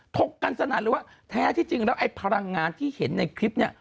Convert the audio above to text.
กกันสนั่นเลยว่าแท้ที่จริงแล้วไอ้พลังงานที่เห็นในคลิปนี้